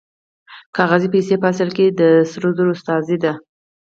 کاغذي پیسې په اصل کې د سرو زرو استازي دي